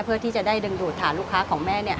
เพื่อให้ดึงดูดถาดลูกค้าของแม่นะ